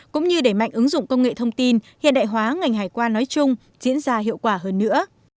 cũng như đẩy mạnh ứng dụng công nghệ thông tin hiện đại hóa ngành hải quan nói chung diễn ra hiệu quả hơn nữa